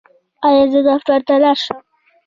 ایا زه دفتر ته لاړ شم؟